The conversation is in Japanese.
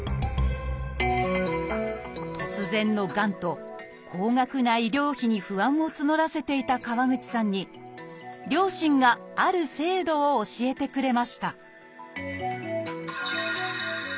突然のがんと高額な医療費に不安を募らせていた川口さんに両親がある制度を教えてくれました